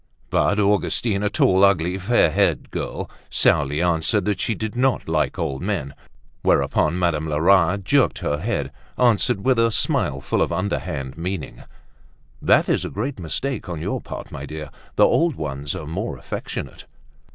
But Augustine, a tall, ugly, fair haired girl, sourly answered that she did not like old men; whereupon Madame Lerat, jerking her head, answered with a smile full of underhand meaning: "That is a great mistake on your part, my dear; the old ones are more affectionate."